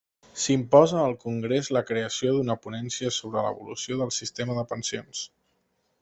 S'imposa al congrés la creació d'una ponència sobre l'evolució del sistema de pensions.